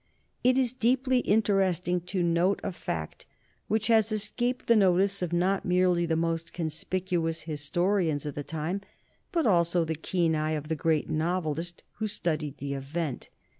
It is deeply interesting to note a fact which has escaped the notice of not merely the most conspicuous historians of the time, but also the keen eye of the great novelist who studied the event.